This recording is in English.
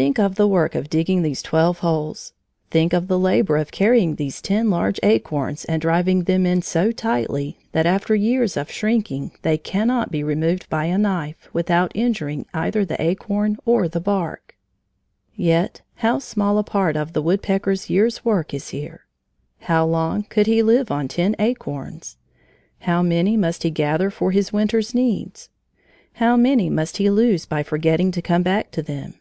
] Think of the work of digging these twelve holes. Think of the labor of carrying these ten large acorns and driving them in so tightly that after years of shrinking they cannot be removed by a knife without injuring either the acorn or the bark. Yet how small a part of the woodpecker's year's work is here! How long could he live on ten acorns? How many must he gather for his winter's needs? How many must he lose by forgetting to come back to them?